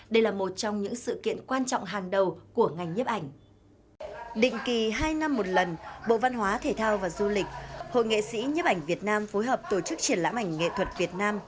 định kỳ hai năm một lần bộ văn hóa thể thao và du lịch hội nghệ sĩ nhấp ảnh việt nam phối hợp tổ chức triển lãm ảnh nghệ thuật việt nam